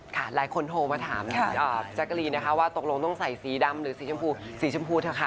หลายคนโทรมาถามแจ๊กกะรีนนะคะว่าตกลงต้องใส่สีดำหรือสีชมพูสีชมพูเถอะค่ะ